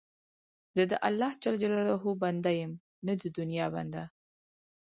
زه د الله جل جلاله بنده یم، نه د دنیا بنده.